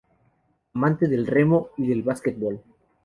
Amante del remo y del básquetbol.